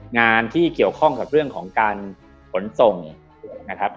งานที่เกี่ยวข้องกับเรื่องของการขนส่งนะครับ